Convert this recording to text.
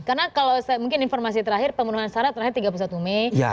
karena kalau mungkin informasi terakhir pemenuhan syarat terakhir tiga puluh satu mei